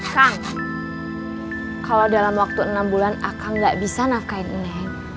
kang kalau dalam waktu enam bulan aku gak bisa nafkain nenek